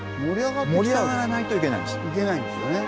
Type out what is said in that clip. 盛り上がらないといけないんです。